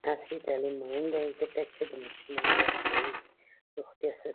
عصري تعلیم مهم دی ځکه چې د ماشومانو روغتیا ساتي.